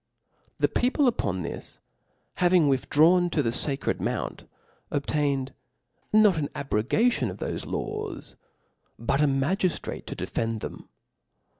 The people upon this having withdrawn to the Sacred Mount, obtained no(. zfk^ abrogatk>n of thqfe laws, but a magiftrate to defend them.